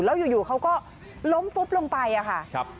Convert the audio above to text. แล้วอยู่เขาก็ล้มฟุบลงไปค่ะ